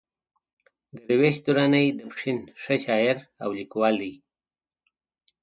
درویش درانی د پښين ښه شاعر او ليکوال دئ.